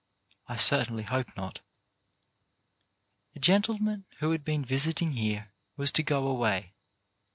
I certainly hope not. A gentleman who had been visiting here was to go away.